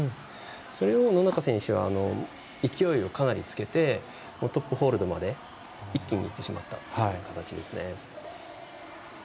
それを、野中選手は勢いをかなりつけてトップホールドまで一気にいってしまったっていう形ですね。